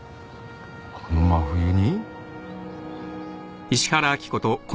この真冬に？